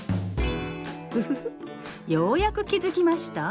フフフようやく気付きました？